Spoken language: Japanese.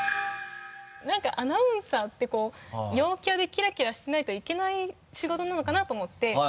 何かアナウンサーってこう陽キャでキラキラしてないといけない仕事なのかなと思って。